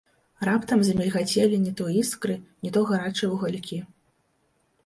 Раптам замільгацелі ні то іскры, ні то гарачыя вугалькі.